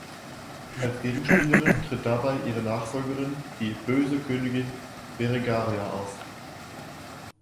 Als Gegenspielerin tritt dabei ihre Nachfolgerin, die „böse“ Königin Berengaria auf.